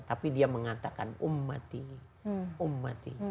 tapi dia mengatakan umat ini